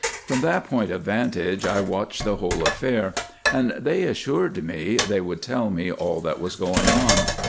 From that point of vantage I watched the whole affair, and they assured me they would tell me all that was going on.